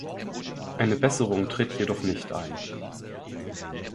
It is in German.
Eine Besserung tritt jedoch nicht ein.